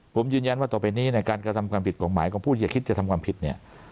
ผมยืนยันว่าต่อไปนี้ในการกระทำความผิดกฎหมายของผู้ที่จะคิดจะทำความผิดเนี่ย